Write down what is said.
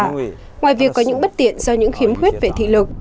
ngoài việc có những bất tiện do những khiếm khuyết về thị lực